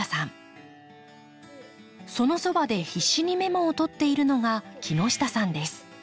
そのそばで必死にメモを取っているのが木下さんです。